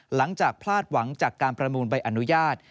หลังจากพลาดหวังจากการประมูลใบอนุญาต